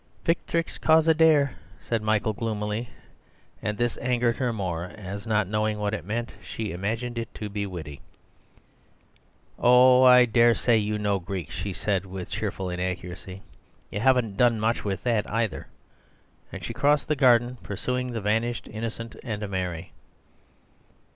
"Victrix causa deæ—" said Michael gloomily; and this angered her more, as, not knowing what it meant, she imagined it to be witty. "Oh, I dare say you know Greek," she said, with cheerful inaccuracy; "you haven't done much with that either." And she crossed the garden, pursuing the vanished Innocent and Mary.